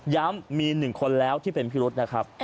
ย้ำมีหนึ่งคนแล้วที่เป็นพิรุษนะครับ